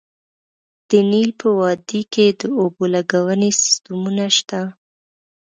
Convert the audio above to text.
د نیل په وادۍ کې د اوبو لګونې سیستمونه شته